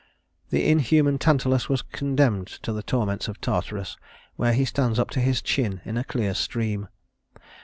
The inhuman Tantalus was condemned to the torments of Tartarus, where he stands up to his chin in a clear stream.